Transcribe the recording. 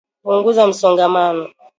Punguza msongamano